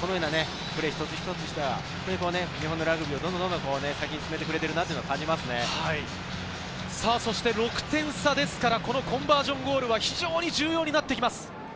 このようなプレー、一つ一つ日本のラグビーをどんどん先に進めて６点差ですから、コンバージョンゴールは非常に重要になってきます。